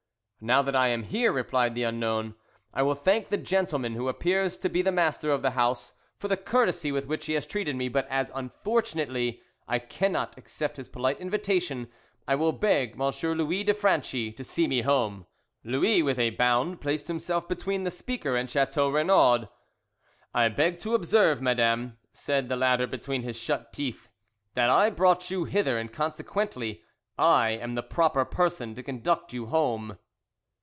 "Now that I am here," replied the unknown, "I will thank the gentleman who appears to be the master of the house for the courtesy with which he has treated me. But as, unfortunately, I cannot accept his polite invitation I will beg M. Louis de Franchi to see me home." Louis with a bound placed himself between the speaker and Chateau Renaud. "I beg to observe, madam," said the latter between his shut teeth, "that I brought you hither and consequently I am the proper person to conduct you home."